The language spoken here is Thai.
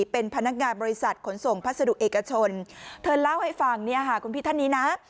เป็นพนักงานบริษัทขนส่งพัสดุเอกชนเธอเล่าให้ฟังเนี่ยค่ะคุณพี่ท่านนี้นะ